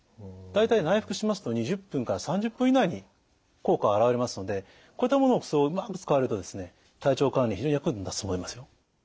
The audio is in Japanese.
大体内服しますと２０分から３０分以内に効果が現れますのでこういったものをうまく使われると体調管理に非常に役に立つと思いますよ。